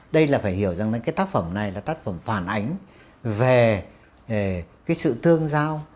đây là phải hiểu rằng cái tác phẩm này là tác phẩm phản ánh về cái sự tương giao